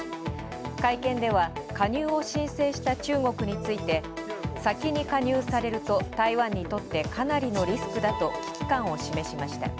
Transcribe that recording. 会見では加入を申請した中国について「先に加入されると台湾にとってかなりのリスクだ」と危機感を示しました。